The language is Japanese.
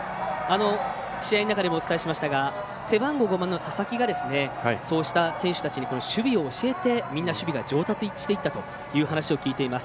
試合の中でもお伝えしましたが背番号５番の佐々木がそうした選手たちに守備を教えて、みんな守備が上達していったという話を聞いています。